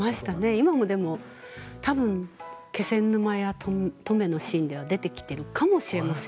今も、たぶん気仙沼や登米のシーンでは出てきているかもしれません。